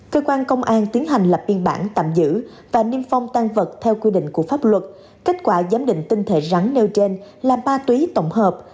cơ quan công an tiến hành lập biên bản tạm giữ và niêm phong tăng vật theo quy định của pháp luật kết quả giám định tinh thể rắn nêu trên là ma túy tổng hợp